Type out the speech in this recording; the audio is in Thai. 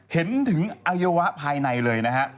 เห็นถึงอัยวะภายในเลยนะฮะ